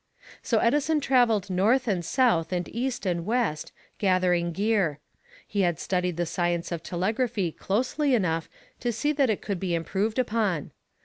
So Edison traveled North and South and East and West, gathering gear. He had studied the science of telegraphy closely enough to see that it could be improved upon.